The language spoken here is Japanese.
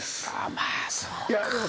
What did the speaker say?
まあそうか。